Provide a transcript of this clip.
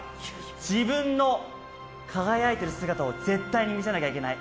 自分の輝いている姿を絶対に見せなきゃいけない。